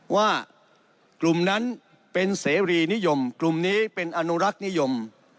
ว่ากลุ่มนั้นเป็นเสรีนิยมกลุ่มนี้เป็นอนุรักษ์นิยม